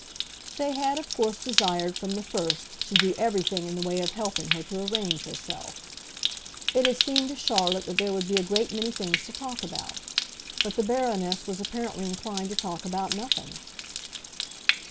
They had of course desired, from the first, to do everything in the way of helping her to arrange herself. It had seemed to Charlotte that there would be a great many things to talk about; but the Baroness was apparently inclined to talk about nothing.